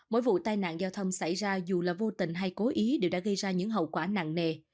mỗi vụ tai nạn giao thông xảy ra dù là vô tình hay cố ý đều đã gây ra những hậu quả nặng nề